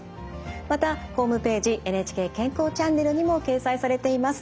またホームページ「ＮＨＫ健康チャンネル」にも掲載されています。